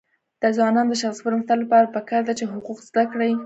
د ځوانانو د شخصي پرمختګ لپاره پکار ده چې حقوق زده کړي.